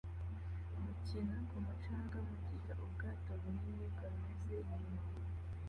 gukina ku mucanga mugihe ubwato bunini bwanyuze inyuma